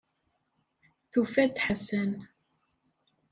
Tufa-d Ḥasan.